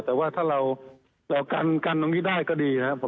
แต่ว่าถ้าเรากันตรงนี้ได้ก็ดีนะครับ